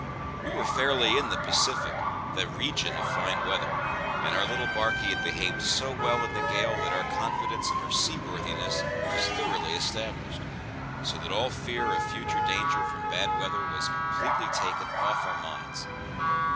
We were fairly in the Pacific, the region of fine weather; and our little barkie had behaved so well in the gale that our confidence in her seaworthiness was thoroughly established; so that all fear of future danger from bad weather was completely taken off our minds.